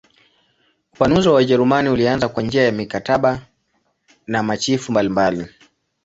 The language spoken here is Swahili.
Upanuzi wa Wajerumani ulianza kwa njia ya mikataba na machifu mbalimbali.